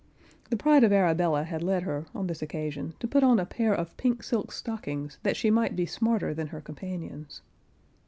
The pride of Arabella had led her, on this occasion, to put on a pair of pink silk stockings, that she might be smarter than her companions.